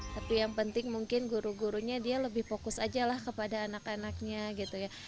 tapi yang penting mungkin guru gurunya dia lebih fokus aja lah kepada anak anaknya gitu ya